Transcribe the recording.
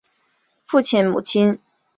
父母亲都是河南望族。